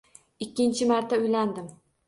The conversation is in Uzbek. Ikkinchi marta uylandim